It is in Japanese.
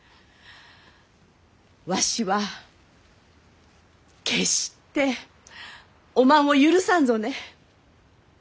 わしは決しておまんを許さんぞね。